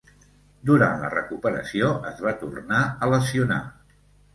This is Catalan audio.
Durant la recuperació es va tornar a lesionar.